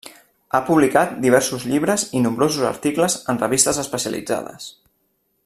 Ha publicat diversos llibres i nombrosos articles en revistes especialitzades.